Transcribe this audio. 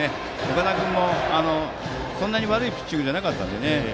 岡田君もそんなに悪いピッチングじゃなかったので。